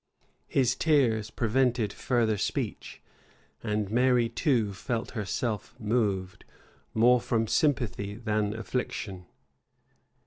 His tears prevented further speech; and Mary too felt herself moved, more from sympathy than affliction.